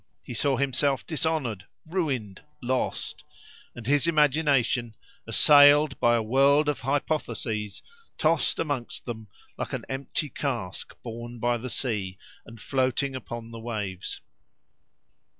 He saw himself dishonoured, ruined, lost; and his imagination, assailed by a world of hypotheses, tossed amongst them like an empty cask borne by the sea and floating upon the waves.